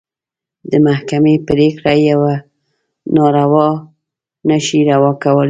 د محکمې پرېکړه يوه ناروا نه شي روا کولی.